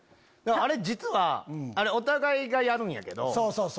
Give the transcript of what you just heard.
あれ実はお互いがやるんやけど。